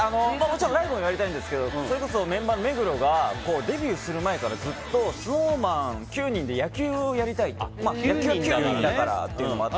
もちろんライブもやりたいんですがそれこそ、メンバーの目黒がデビューする前からずっとＳｎｏｗＭａｎ９人で野球をやりたいと。